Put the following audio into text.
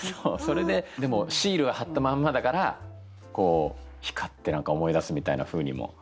それででもシールは貼ったまんまだから光って何か思い出すみたいなふうにも。